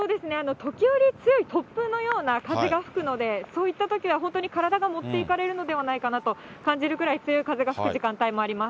時折強い突風のような風が吹くので、そういったときは本当に体が持っていかれるのではないかなと感じるくらい強い風が吹く時間帯もあります。